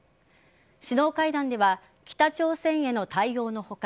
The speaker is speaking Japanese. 首脳会談では北朝鮮への対応の他